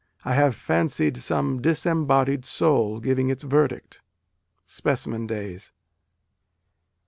I have fancied some disem bodied soul giving its verdict." (Specimen Days.)